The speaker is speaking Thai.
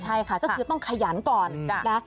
ใช่ค่ะก็คือต้องขยันก่อนนะ